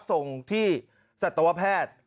ส่งที่สัตวแพทย์